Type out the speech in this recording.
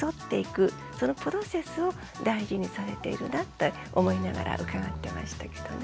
そのプロセスを大事にされているなって思いながら伺ってましたけどね。